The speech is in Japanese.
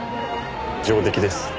上出来です。